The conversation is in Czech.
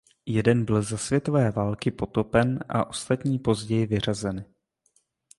Jeden byl za světové války potopen a ostatní později vyřazeny.